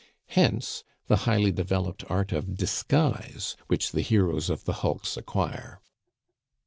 Hence the highly developed art of disguise which the heroes of the hulks acquire.